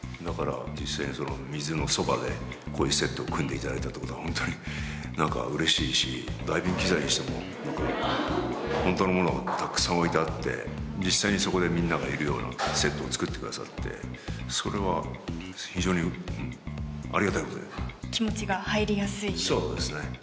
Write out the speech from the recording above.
だから実際にその水のそばでこういうセットを組んでいただいたってことはホントに何か嬉しいしダイビング器材にしても何か本当のものがたくさん置いてあって実際にそこでみんながいるようなセットを作ってくださってそれは非常にありがたいことで気持ちが入りやすいそうですね